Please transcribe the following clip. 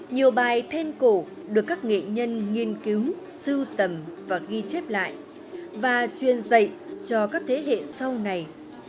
nhiều bài then cổ được các nghệ nhân nghiên cứu sưu tầm và ghi chép lại và truyền dạy cho các thế hệ sau này